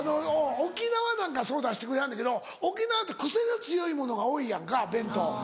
沖縄なんかすごい出してくれはんねんけど沖縄って癖が強いものが多いやんか弁当。